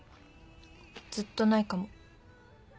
ずっとないかも。